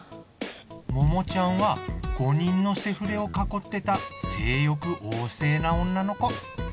桃ちゃんは５人のセフレを囲ってた性欲旺盛な女の子。